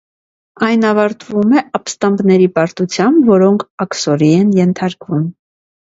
Այն ավարտվում է ապստամբների պարտությամբ, որոնք աքսորի են ենթարկվում։